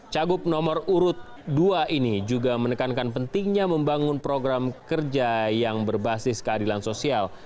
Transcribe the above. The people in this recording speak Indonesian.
cagup nomor urut dua ini juga menekankan pentingnya membangun program kerja yang berbasis keadilan sosial